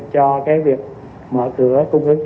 cho việc mở cửa cung ứng